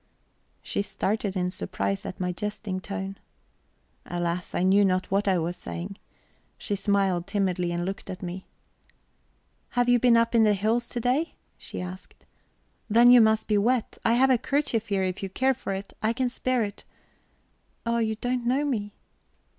She started in surprise at my jesting tone. Alas, I knew not what I was saying. She smiled timidly, and looked at me. "Have you been up in the hills to day?" she asked. "Then you must be wet. I have a kerchief here, if you care for it; I can spare it... Oh, you don't know me."